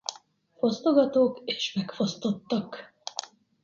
Fosztogatók és megfosztottak!